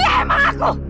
iya emang aku